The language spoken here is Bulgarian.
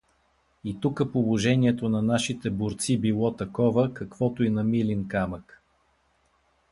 И тука положението на нашите борци било такова, каквото и на Милин камък.